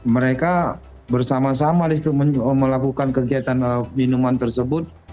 mereka bersama sama di situ melakukan kegiatan minuman tersebut